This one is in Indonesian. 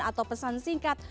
atau pesan singkat